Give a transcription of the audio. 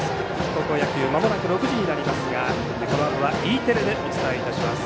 高校野球まもなく６時になりますがこのあとはＥテレでお伝えいたします。